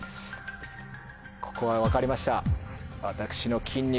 ここは分かりました。